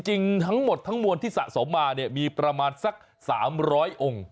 จริงทั้งหมดทั้งมวลที่สะสมมาเนี่ยมีประมาณสัก๓๐๐องค์